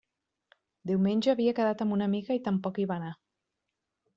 Diumenge havia quedat amb una amiga i tampoc hi va anar.